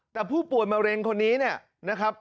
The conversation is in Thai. แต่ผู้ป่วยมะเร็งคนนี้เนี่ย